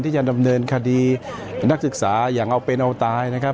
จะดำเนินคดีนักศึกษาอย่างเอาเป็นเอาตายนะครับ